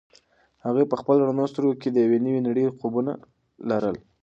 هغې په خپلو رڼو سترګو کې د یوې نوې نړۍ خوبونه لرل.